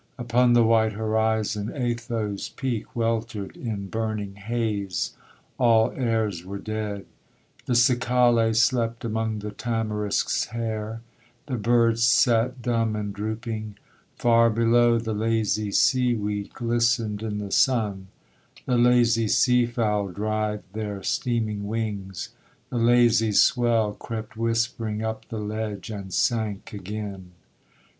Upon the white horizon Atho's peak Weltered in burning haze; all airs were dead; The cicale slept among the tamarisk's hair; The birds sat dumb and drooping. Far below The lazy sea weed glistened in the sun; The lazy sea fowl dried their steaming wings; The lazy swell crept whispering up the ledge, And sank again.